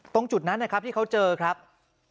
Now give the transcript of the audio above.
ตรงจุดนั้นที่เขาเจอคือ